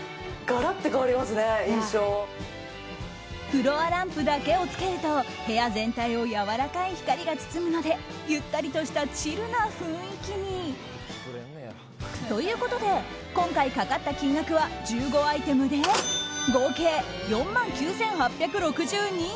フロアランプだけをつけると部屋全体をやわらかい光が包むのでゆったりとしたチルな雰囲気に。ということで今回かかった金額は１５アイテムで合計４万９８６２円。